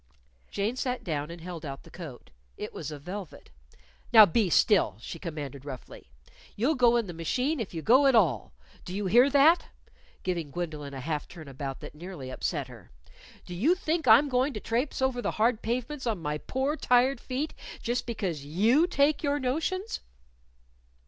Jane sat down and held out the coat. It was of velvet. "Now be still!" she commanded roughly. "You'll go in the machine if you go at all. Do you hear that?" giving Gwendolyn a half turn about that nearly upset her. "Do you think I'm goin' to trapse over the hard pavements on my poor, tired feet just because you take your notions?"